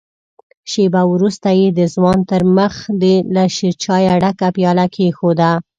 شېبه وروسته يې د ځوان تر مخ له شيرچايه ډکه پياله کېښوده.